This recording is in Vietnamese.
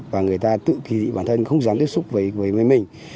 và người ta tự kỳ dị bản thân không dám tiếp xúc với mình